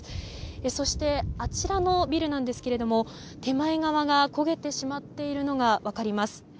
そして、あちらのビルですが手前側が焦げてしまっているのが分かります。